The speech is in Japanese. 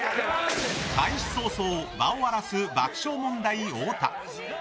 開始早々場を荒らす爆笑問題・太田。